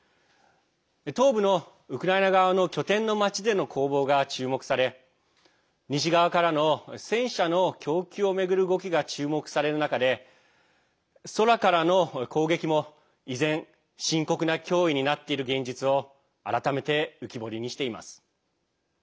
東部のウクライナ側の拠点の町での攻防が注目され西側からの戦車の供給を巡る動きが注目される中で空からの攻撃も依然深刻な脅威になっている現実を改めて浮き彫りにしています。